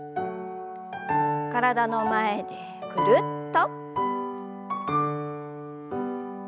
体の前でぐるっと。